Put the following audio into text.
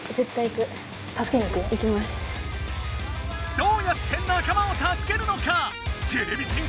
どうやって仲間を助けるのか⁉てれび戦士